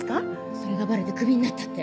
それがバレてクビになったって。